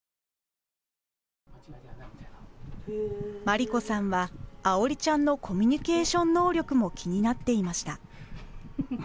真理子さんは愛織ちゃんのコミュニケーション能力も気になっていました。